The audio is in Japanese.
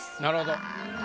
なるほど。